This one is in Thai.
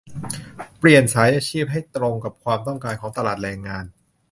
เปลี่ยนสายอาชีพให้ตรงกับความต้องการของตลาดแรงงาน